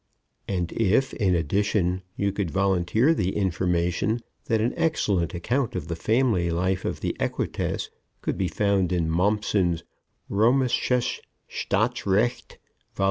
And if, in addition, you could volunteer the information that an excellent account of the family life of the Equites could be found in Mommsen's "Römisches Staatsrecht," Vol.